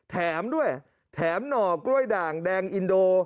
แถมด้วยแถมหน่อกล้วยด่างแดงอินโด